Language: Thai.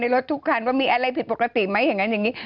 รถทุกคันว่ามีอะไรผิดปกติไหมอย่างนั้นอย่างนี้